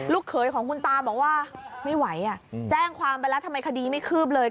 เขยของคุณตาบอกว่าไม่ไหวอ่ะแจ้งความไปแล้วทำไมคดีไม่คืบเลย